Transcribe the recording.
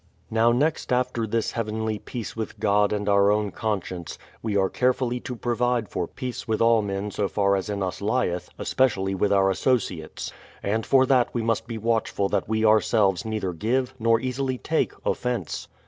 Now next after this heavenly peace with God and our own con science, we are carefully to provide for peace with all men so far as in us lieth especially with our associates; and for that we must be watchful that we ourselves neither give, nor easily take, offence.